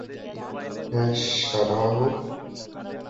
হ্যাঁ, সারাহ।